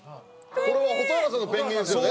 これは蛍原さんのペンギンですよね。